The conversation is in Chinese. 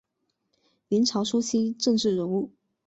明朝初期政治人物。